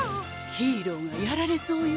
ヒーローがやられそうよ。